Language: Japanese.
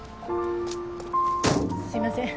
すいません。